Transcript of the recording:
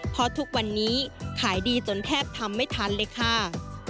เพราะทุกวันนี้ขายดีจนแทบทำไม่ทันเลยค่ะ